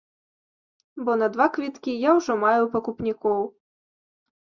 Бо на два квіткі я ўжо маю пакупнікоў.